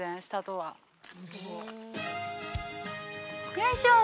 よいしょっ。